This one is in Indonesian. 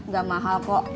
gak mahal kok